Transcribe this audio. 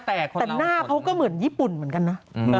แต่หน้าเขาก็เหมือนญี่ปุ่นเหมือนกันนะ